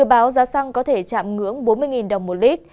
báo giá xăng có thể chạm ngưỡng bốn mươi đồng một lít